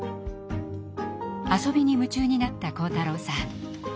遊びに夢中になった晃太郎さん。